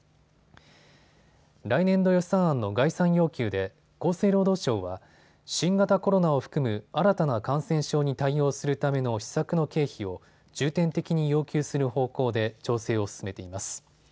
来年度予算案の概算要求で厚生労働省は新型コロナを含む新たな感染症に対応するための施策の経費を重点的に要求する方向で調整を進めています。